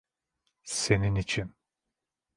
Senin için.